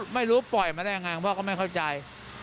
ไม่รู้ปล่อยมาได้ยังไงพ่อก็ไม่เข้าใจ